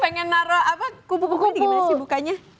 pengen naro apa kubu kubu di gimana sih bukanya